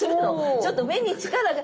ちょっと目に力が。